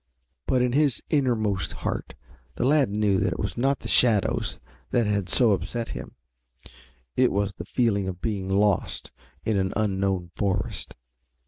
But in his innermost heart the lad knew that it was not the shadows that had so upset him. It was the feeling of being lost in an unknown forest.